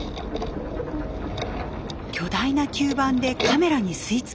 巨大な吸盤でカメラに吸い付きました。